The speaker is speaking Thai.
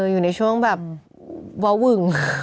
อยู่ในช่วงแบบว้าวหึ่ง